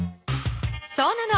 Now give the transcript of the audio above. そうなの。